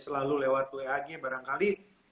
selalu lewat wag barangkali